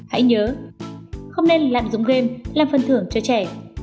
hãy nhớ không nên lạm dụng game làm phần thưởng cho trẻ